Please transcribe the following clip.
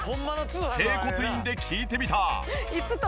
整骨院で聞いてみた。